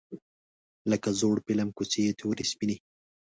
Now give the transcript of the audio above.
لکه زوړ فیلم کوڅې یې تورې سپینې